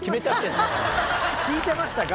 聞いてましたか？